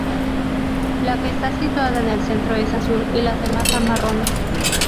La que está situada en el centro es azul, y las demás son marrones.